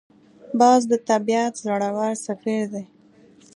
باز د طبیعت زړور سفیر دی